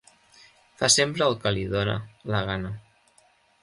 Fa sempre el que li dona la gana.